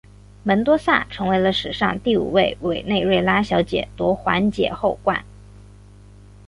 门多萨成为了史上第五位委内瑞拉小姐夺环姐后冠。